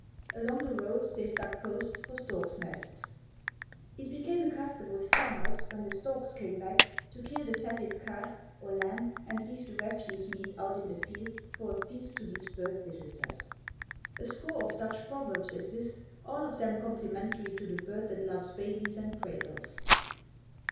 Along the roads they stuck posts for storks' nests. It became a custom with farmers, when the storks came back, to kill the fatted calf, or lamb, and leave the refuse meat out in the fields for a feast to these bird visitors. A score of Dutch proverbs exist, all of them complimentary to the bird that loves babies and cradles.